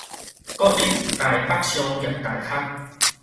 國立臺北商業大學